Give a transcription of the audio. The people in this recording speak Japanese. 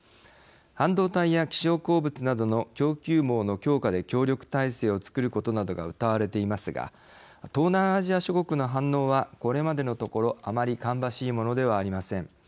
半導体や希少鉱物などの供給網の強化で協力体制を作ることなどがうたわれていますが東南アジア諸国の反応はこれまでのところあまり芳しいものではありません。